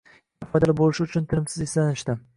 Yana foydali bo‘lishi uchun tinimsiz izlanishdi.